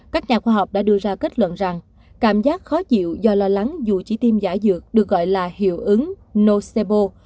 các nhà khoa học đã đưa ra kết luận rằng cảm giác khó chịu do lo lắng dù chỉ tiêm giả dược được gọi là hiệu ứng nocsebo